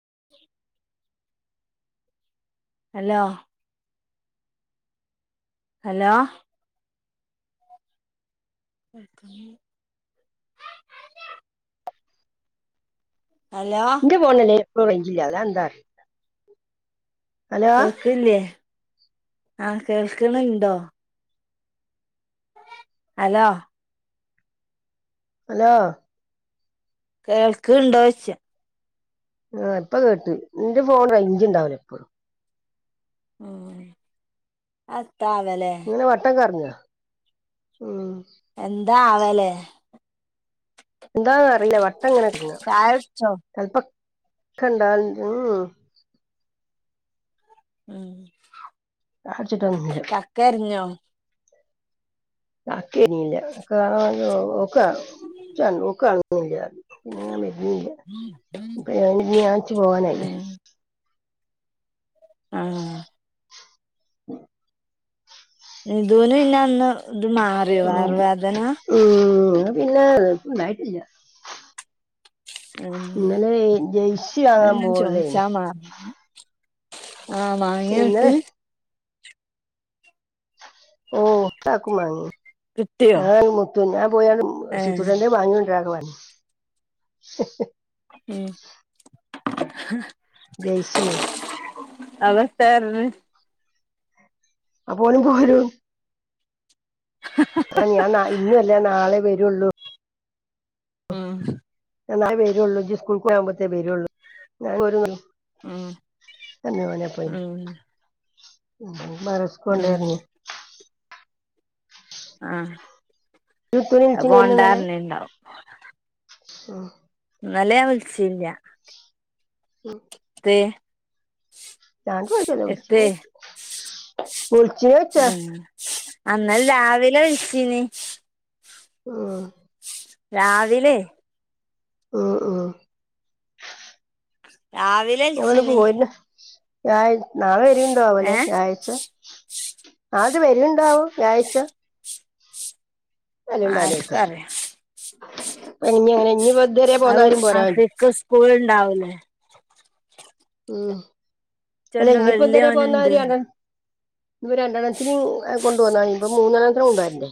[unintelligible] അല്ലോ. Hello. [unintelligible] Hello എന്റെ ഫോണി അല്ലേലും എപ്പോളും റേഞ്ച് ഇല്ല അതെന്താ അറീല്ല. കേൾക്കില്ലേ ആഹ കേൾക്ണ് ണ്ടോ? ഹലോ അല്ലോ. കേൾക്ണ്ടോ യിച്ച. ആ എപ്പ കേട്ട് എന്റെ ഫോൺ ഞ്ച് ഇണ്ടാവല എപ്പോഴും. ഉ അ. ഇങ്ങനെ വട്ടം കറഞ്ഞാ ഉ. എന്താ ആവലേ? എന്താ അറീല്ല വട്ടങ്ങനെ കറങ്ങാ. ചായ കുടിച്ചോ കണ്ടൽ മ്മ് മം മ് ഉം. ചായ കുടിച്ചിട്ടോന്നുല്യ. ചക്ക അരിഞ്ഞോ [unintelligible] ഓക്ക് അങ്ങനെ ഒന്നുല്ല [unintelligible] ഞാൻ വീണില്ല പോവാനായിലെ ആഹ. [unintelligible] ഇതുലിന്ന അന്ന് ഇത് മാറിയോ വയറുവേദന ഉ പിന്നെണ്ടായിട്ടില്ല. ഉം ഇന്നലെ ജെയയ്സി അത് വാങ്ങാൻ ഞാൻ പോവല്ലേയ്ന്. ചോദിച്ചാ ആഹ വാങ്ങിന്നിട്ട്. ഇന്നലെ ഓ മാങ്ങി കിട്ട്യോ. ഞാൻ പോയാണ് സിതുട്ടന്റെ വാങ്ങിക്കൊണ്ടരാനൊക്കെ പറഞ്ഞിന്നു. ഉം. ജെയ്സി. അവതെർഞ്. അ പോലും പോരും. ഞാൻ ഇന്നല്ലാ നാളെ വരുള്ളൂ. ഉം ഹ്. വരുയള്ളൂ ജ സ്കൂിൽ പോകുമ്പഴത്തേ വരരുയുള്ളൂ ആഹ ആഹ ബറസ് കൊ കൊണ്ടായിഞ്ഞ ആ അത് [unintelligible] നിങ്ങൾ പോണ്ടാർഞ്ഞ്ണ്ടാവും നില വിളിച്ചല്ല ഉം ദേ [unintelligible] അന്നാൽ രാവിലെ ഒഴിച്ചീന് ആ രാവിലെ ആ ആ രാവിലെ ഞങ്ങള് വിളിച്ചീനി പോയിന്ന ഞ നാ നാളെ വരിണ്ടോ അവലെ ഏഹ് ഞായാഴ്ച അത് വരുണ്ടാവോ വ്യാഴ്ച ആർക്കറിയ [unintelligible] അത് പോന്നാലും പോരാ ആഫിക്ക് സ്കൂൾ ഇണ്ടാവലേ ഉം അല്ല ഇച്ചൊന്ന് ഇനിയിപ്പോ എന്തരയാ വല്യോന്ണ്ട്ന്ന് പോന്നവരണ് ഇപ്പ രണ്ടെണ്ണത്തി കൊണ്ട് വന്നർന്നേ ഇപ്പ മൂന്നെണ്ണത്തി ഉണ്ടായിരണ്ടേ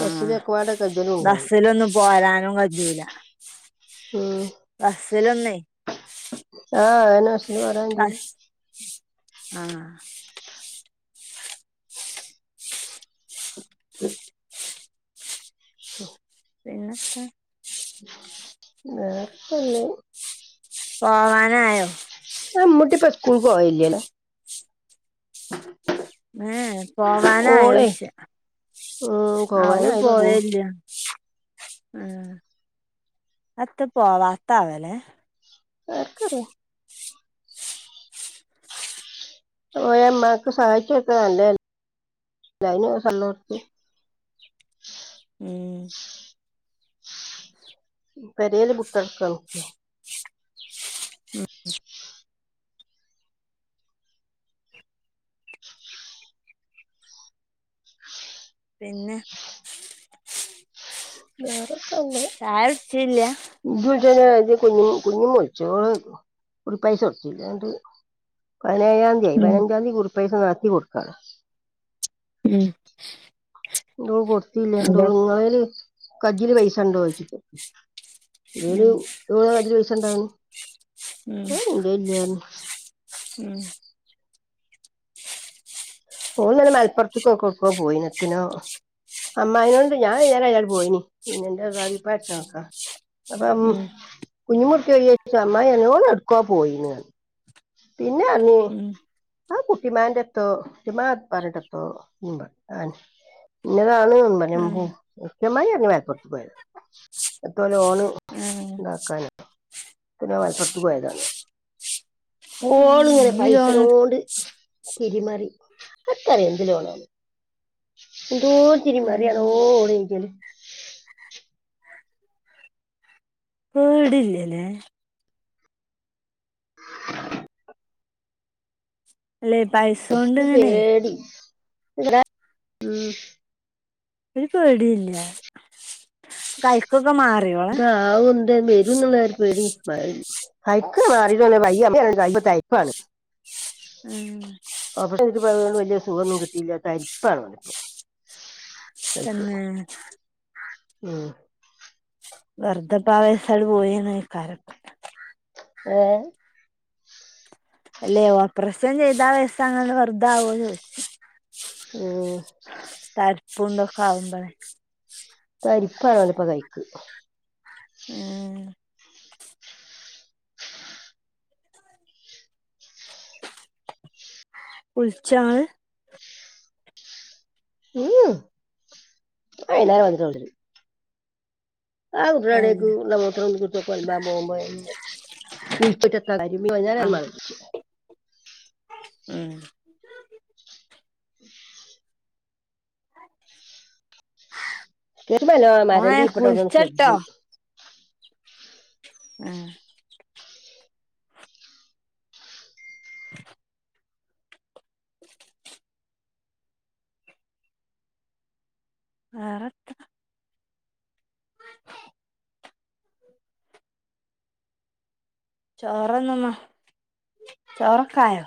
ആഹ് അശലക്വാട [unintelligible] ബസ്സിലൊന്നും പോരാനും കഴിയുല്ല മ്മ് [unintelligible] ആ എന്നാ വർഷം ബ ആ [unintelligible] പിന്നക്കെ വപ്പല്ലേ പോവാനോയോ ആ മട്ടേ പ്ലസ് സ് കുൾ [unintelligible] [unintelligible] ഏ പോവാനൻ ഓളെ ആയോശ്യ ഉം ആ അവര് പോവാനായി തുടങ്ങി പോയല്യ ഉം അത്ത പോവാത്ത ആവലെ ആർക്കറിയ ഓ അമ്മമാക്ക് സഹായിച്ചൊക്കെ നലെ ല്ലായിന കല്ലോടുത്ത് മം [unintelligible] പെരല് പു [unintelligible] മം പിന്നെ വേറെക്കന്നെ ചായ കുടിച്ചില്ല കുഞ്ഞും കുഞ്ഞും മുൊളിച്ചോ എന്തോ കുറിപ്പായസ [unintelligible] പതിനേഴാം തീയായി ഉം പതിനഞ്ചാം തീയതി കുറിപ്പസ നടത്തി കൊടുക്കാ ഉം ഡോൾ കൊടുത്തില്ല ഡോ അതെ ഇങ്ങല് കൈയില് പൈസ ഉണ്ടോ [unintelligible] ഉം ഉം [unintelligible] ഉം ഓന്നല്ല മലപ്പുറത്തക്കൊ കൊക്കോ പോയിനത്തിനോ അമ്മാനോണ്ട് ഞാൻ നേറെ അയാൾ പോയിനി പിന്നന്റെതപ്പ അച്ച നക്കാ അപ്പം ഉം കുഞ്ഞിമുറക്ക പോച്ച അമ്മ ന ഓ എടുക്ക പോയിന്ന പിന്നെ അ നീ ഉം ആ കുട്ടിമാന്റെ എത്തോ പറഞ്ഞട്ടത്തോ ആ ഇന്നതാണ് ഉം പറ ചമായി ഇങ്ങ മലപ്പുറത്ത് പോയത് എത്രലും ഓണ് ആഹ് ഉണ്ടാക്കാന പിനെ വലപ്പുറത്തു പോയതാണ് മോള ഇങ്ങനെ ഇന്ന് പൈസര ലോണ് കൊണ്ട് തിരിമാറി അത്രറ ഇതി എന്തോ ഉം ചിരിമാരി ആാണ് ഓല് പേടില്ലല്ലേ അല്ലെ പൈസോണ്ട് ഇങ്ങനെ ഉം ഒരു പേടല്ല കൈക്ക ആ ഉണ്ട് മ ഇന്നയക്ക് മാറിട്ടന്ന വയ്യ തയപ്പാണ് ഉം ണ്ട് വലിയ സുഖമൊന്നും കിട്ടിയില്ലാത്ത അരിപ്പണ വണിപ്പ തന്നെ ഉഹ വർധപ്പാവയസട് പോയന്നയിക്കാരക്ക ഓ അല്ലെ ഓപ്പറേഷൻ ചെയ്താ വ്യസങ്ങന്ന് വറുതാവോ ചോദ [unintelligible] പണ്ടൊക്കാവും പറ തരിപ്പ എന്നള ഇപ്പൊ കൈക്ക് ഉം കുൾച്ച ഉംല്ലരും വന്നട്ടവിള ആ ഏഹ് കുട്ടടേക്ക നമ്മത്ര ഒ കുട്ടോക്ക ബാമ എ [unintelligible] കുളിച്ചിട്ട എത്ര കരുമ്പിഞ്ഞ മിച്ചു [unintelligible] ഉഹ ഉ [unintelligible] കേട്ടുമ്പോ മ മരന്റെ ഇപ്പോഴത്തെ അവിടെ നിന്ന് കഴിച്ചട്ട കൊക്കും [unintelligible] ആ ആറത്ര ചോറന്നമ്മ ചോറൊക്കായോ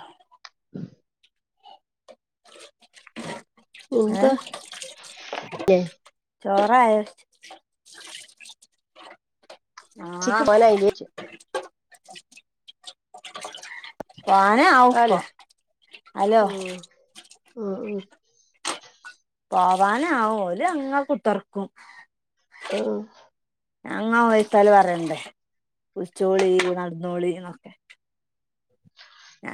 ഉത ഏ ചോറായോ ക്ക ആഹ് മനയി ജച്ച [unintelligible] പോാന ആപ്പ ആലോ ഹലോ ആഹ ആ പോവാന ആവല് അങ്ങ കുൂട്ടർക്കും ഉം അങ്ങാ പോയിത്താല് പറയണ്ടേ ഉച്ചോളി നടന്നോളി എന്നൊക്കെ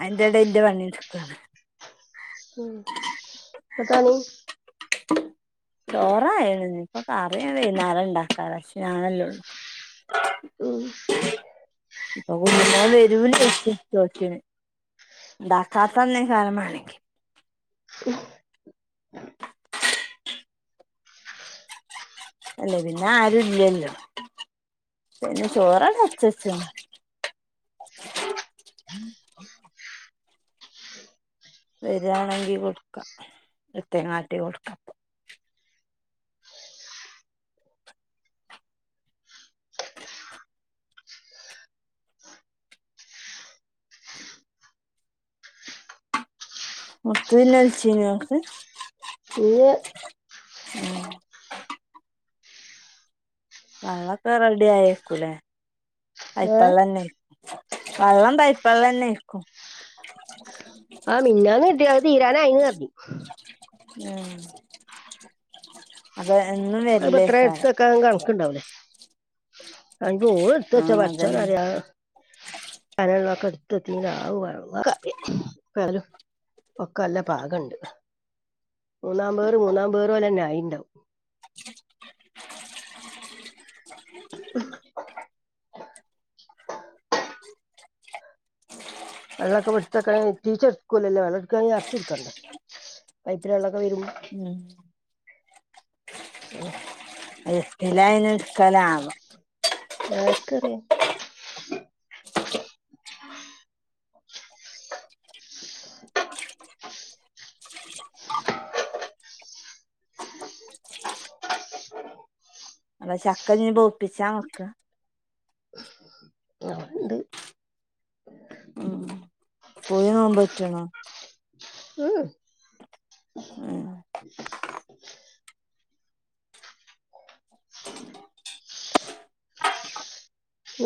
എൻന്റെടെ ഇന്റെ പണിയ സുഖാണ് ഉം പതണീ ചോറായി നിപ്പൊ കറിയ വുന്നാല ഇണ്ടാക്കാ പക്ഷേ ഞാനല്ലള്ളു ഉം ഇപ്പൊ കു വരൂല്ലഷ ജോക്കന് ഡാക്കാത്തന്നെ കാരമാണ്ണക്ക് [unintelligible] അല്ലേ പിന്നെ ആരുവില്ലല്ലോ പിന്നെ ചോറാണെടുവച്ചിണ് [unintelligible] വരിയാണെങ്കി കൊടുക്കാം തേങ്ങയാട്ടി കൊടുക്കാം മൊത്തം ഇല്ലിച്ചിനാക്ക് ഇല്ല വള്ളൊക്കെ റെഡി ആയിക്കൂലേ ഏഹ് [unintelligible] വെള്ളം പൈപ്പുവെള്ളം തന്നെയ്ക്കും ആ മിന്നാന്ന് കിട്ടിയത് തീരാനായിന്ന് നിർത്തി ഉം അതെന്നും അതിപ്പോ വരല്ലേ എത്ര കാലം [unintelligible] [unintelligible] ആഹ് അതന്നെ ഒക്കല്ല പാകണ്ട് മൂന്നാം പേർ മൂന്നാം പേറേ ലെന്നെ ആയിണ്ടാവും [unintelligible] [unintelligible] [unintelligible] വെള്ളൊപ്പ ഏടുത്തകാനങ്കിൽ ഉറ്റിച്ച എടുക്കൂല്ലലോ അത് എടുക്കാനെങ്കിൽ നരച്ചു എടുക്കണ്ടേ പൈപ്പിലെ വെള്ളം ഇപ്പ വരും ഉം [unintelligible] ഓ [unintelligible] ആർക്കറിയ അല്ല ചക്കഞ്ഞ്ന്നി പൗപ്പിച്ചവെക്ക [inaudible] പൂവി നേമ്പറ്റണ [unintelligible] ഉം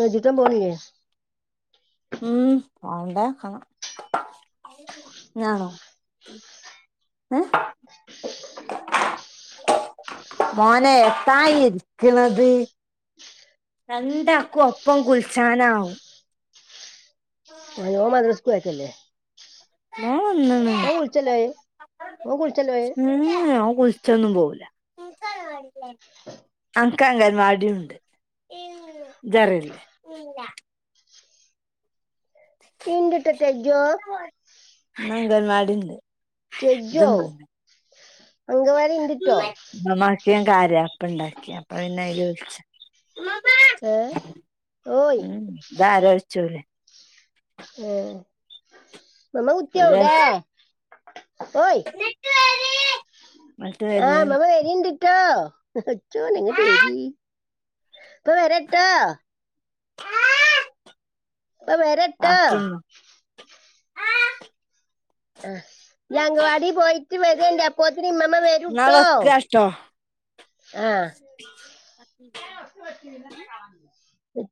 അജിത്താ പോണില്ലേ ഉം പോണ്ടേണ ഞാണോ ഏ മോനെ എത്തായി ഇരിക്കണത് രണ്ടാക്കും ഒപ്പം കുളിച്ചാന ആവും ഓൻ മദ്രസ്ക് പോയതല്ലേ ഓൺ വന്നണ് [unintelligible] ഓൻ കുളിച്ചല്ലോ കുളിച്ചൊന്നും പോവില്ല ഇങ്ക് അംഗൻവാടില്ലേ അനക് അംഗൻവാടി ഇണ്ട് ഇല്ല ഈച്ചറല്ലേ ഇല്ല [unintelligible] ഇന്ന് അഗൽവാടി ണ്ട് ഇത് ടെജോ ന്നേ അങ്കവാടി ഇണ്ടിട്ടോ ഇമ്മാമക് ഞാൻ കാര്യപ്പ് ഇണ്ടാക്കി അപ്പ പിന്നെ അയിൽ വിളിച്ചു ഹെ ഓയ് ദ ആരോഴ്ച ഓല് ഉം മമ്മ ഓല് കുത്തിയവിടെ ഓയ് ഇങ്ങട്ട് ആ മ്മ വരേന്ന് മ്മ വരിണ്ട്ട്ടോ [unintelligible] പടച്ചോന എങ്ങിട്ട് വേരി ഇപ്പ വരട്ടാ ഇപ്പ വരട്ടാ കാത്ത്ന്നോ അ യ്യ് അംഗവാടി പോയിട്ട് വരെണ്ടുഅപ്പത്തിന് ഇമ്മമ്മ ഇന്നാ വരുട്ടോ വെക്കാട്ടോ ആ [inaudible]